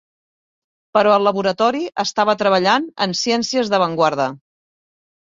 Però el laboratori estava treballant en ciències d'avantguarda.